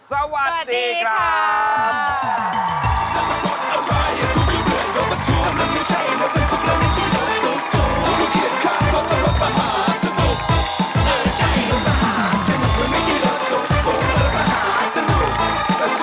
สวัสดีครับ